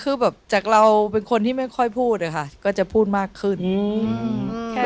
คือแบบจากเราเป็นคนที่ไม่ค่อยพูดอะค่ะก็จะพูดมากขึ้นอืมแค่